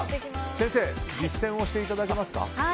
先生、実践していただけますか。